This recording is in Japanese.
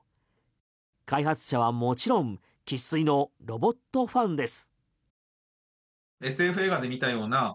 開発者は、もちろん生粋のロボットファンです。